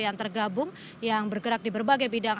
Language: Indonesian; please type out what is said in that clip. yang tergabung yang bergerak di berbagai bidang